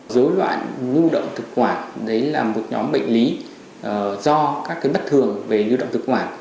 dối loạn vận động thực quản là một nhóm bệnh lý do các bất thường về dối loạn vận động thực quản